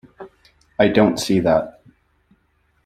I don't see that.